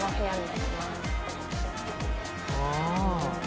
ああ。